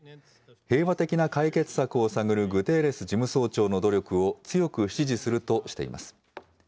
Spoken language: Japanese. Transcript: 平和的な解決策を探るグテーレス事務総長の努力を強く支持するとしています。